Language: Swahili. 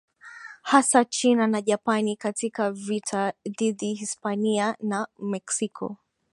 hasa China na Japani Katika vita dhidi Hispania na Meksiko